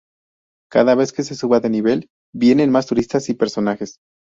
Cada vez que se suba de nivel vienen más turistas y personajes.